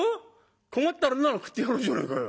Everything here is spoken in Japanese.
困ったのなら食ってやろうじゃねえかよ」。